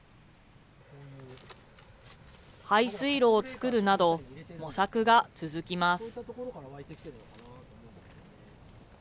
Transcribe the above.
排水路を作るなど模索が続きます。